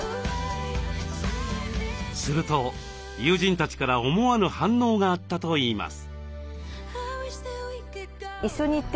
すると友人たちから思わぬ反応があったといいます。